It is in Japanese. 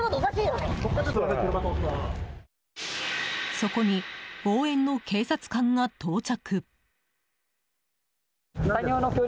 そこに応援の警察官が到着。